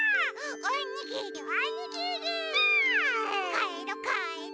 かえろかえろ！